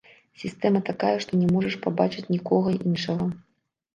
Сістэма такая, што не можаш пабачыць нікога іншага.